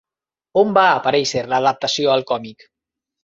On va aparèixer l'adaptació al còmic?